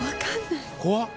・怖っ！